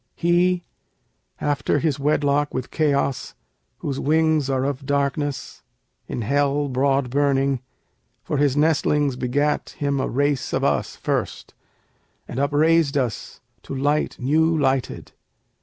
He, after his wedlock with Chaos, whose wings are of darkness, in Hell broad burning, For his nestlings begat him the race of us first, and upraised us to light new lighted.